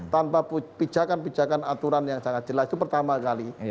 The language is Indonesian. tanpa pijakan pijakan aturan yang sangat jelas itu pertama kali